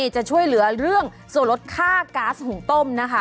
จะช่วยเหลือเรื่องส่วนลดค่าก๊าซหุงต้มนะคะ